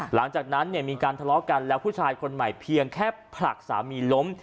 หลังจากนั้นเนี่ยมีการทะเลาะกันแล้วผู้ชายคนใหม่เพียงแค่ผลักสามีล้ม